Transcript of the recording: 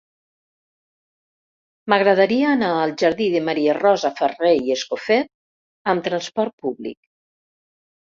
M'agradaria anar al jardí de Maria Rosa Farré i Escofet amb trasport públic.